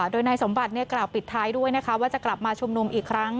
โดยนายสมบัติกล่าวปิดท้ายด้วยนะคะว่าจะกลับมาชุมนุมอีกครั้ง